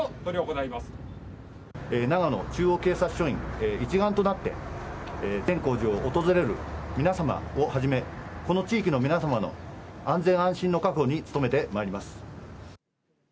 長野中央警察署員一丸となって善光寺を訪れる皆様をはじめこの地域の皆様の安全安心の確保に努めてまいります。